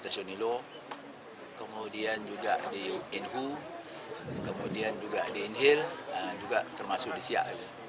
di sonilo kemudian juga di inhu kemudian juga di inhir juga termasuk di siak